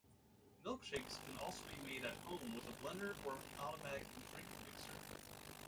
Milkshakes can also be made at home with a blender or automatic drink mixer.